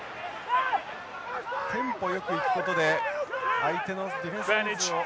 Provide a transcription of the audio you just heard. テンポよくいくことで相手のディフェンス人数を。